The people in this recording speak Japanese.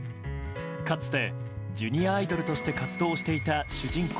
かつてジュニアアイドルとして活動していた主人公